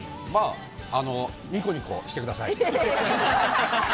ニコニコしてください。